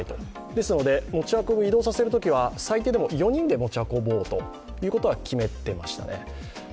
ですので、持ち運び、移動させるときは最低でも４人で持ち運ぼうというのは決めていましたね。